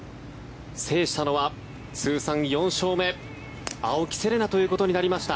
制したのは通算４勝目青木瀬令奈ということになりました。